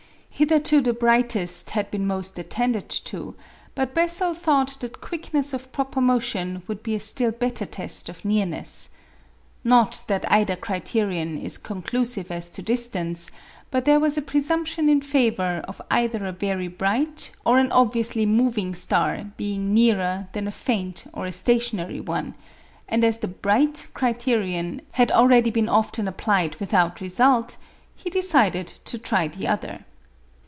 Hitherto the brightest had been most attended to, but Bessel thought that quickness of proper motion would be a still better test of nearness. Not that either criterion is conclusive as to distance, but there was a presumption in favour of either a very bright or an obviously moving star being nearer than a faint or a stationary one; and as the "bright" criterion had already been often applied without result, he decided to try the other.